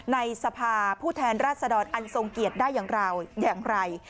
ในสภาผู้แทนราชดรอันทรงเกียจได้อย่างไร